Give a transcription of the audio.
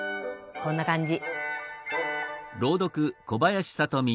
こんな感じ。